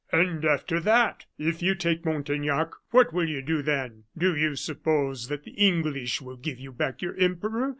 "And after that! If you take Montaignac, what will you do then? Do you suppose that the English will give you back your Emperor?